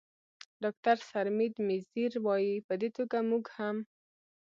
ډاکتر سرمید میزیر، وايي: "په دې توګه موږ